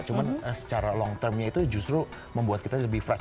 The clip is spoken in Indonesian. cuma secara long termnya itu justru membuat kita lebih fresh